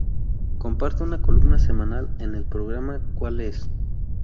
Comparte una columna semanal en el programa "¿Cuál es?